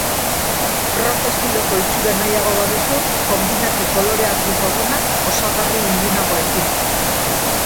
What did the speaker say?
Rock estiloko itxura nahiago baduzu, konbinatu kolore argiko gonak osagarri ilunagoekin.